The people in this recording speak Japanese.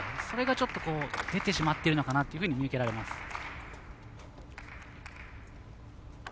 それがちょっと出てしまっているのかなと見受けられます。